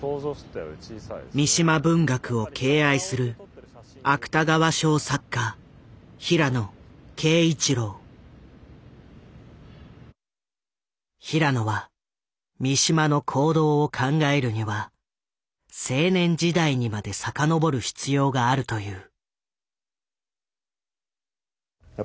三島文学を敬愛する芥川賞作家平野は三島の行動を考えるには青年時代にまで遡る必要があるという。